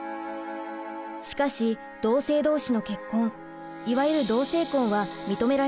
しかし同性同士の結婚いわゆる「同性婚」は認められていません。